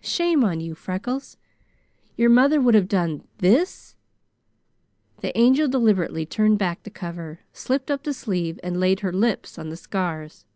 Shame on you, Freckles! Your mother would have done this " The Angel deliberately turned back the cover, slipped up the sleeve, and laid her lips on the scars.